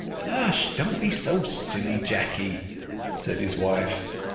"Hush—don't be so silly, Jacky," said his wife.